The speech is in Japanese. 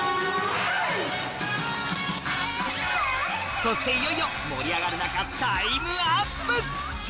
そしていよいよ盛り上がる中タイムアップ！